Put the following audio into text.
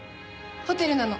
ホテルなの。